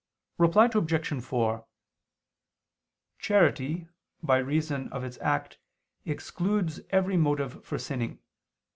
Reply Obj. 4: Charity by reason of its act excludes every motive for sinning.